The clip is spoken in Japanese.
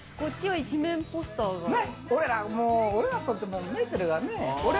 俺らにとってメーテルがね。